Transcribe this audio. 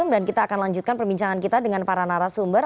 dan kita akan lanjutkan perbincangan kita dengan para narasumber